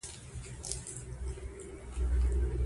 مقالې باید په زړه پورې او روانې وي.